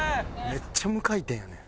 めっちゃ無回転やねん。